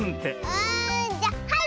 あじゃはい！